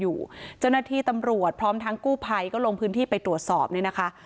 อยู่เจ้าหน้าที่ตำรวจพร้อมทั้งกู้ภัยก็ลงพื้นที่ไปตรวจสอบเนี่ยนะคะ